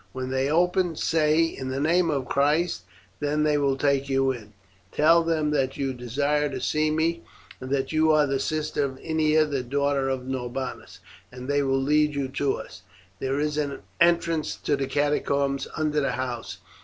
When they open, say, 'In the name of Christ,' then they will take you in. Tell them that you desire to see me, and that you are the sister of Ennia, the daughter of Norbanus, and they will lead you to us. There is an entrance to the catacombs under the house.